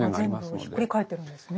本が全部ひっくり返ってるんですね。